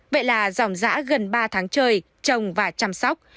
vậy là giòn giã gần ba tháng trời trồng và chăm sóc